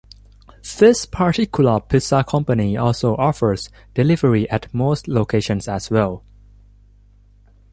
This particular pizza company also offers delivery at most locations as well.